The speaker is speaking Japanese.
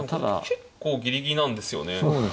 結構ギリギリなんですよね。